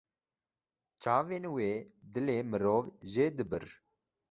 Çavên wê dilê mirov jê dibir.